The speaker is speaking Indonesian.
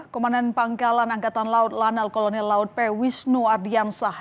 komandan pangkalan angkatan laut lanal kolonel laut p wisnu ardiansah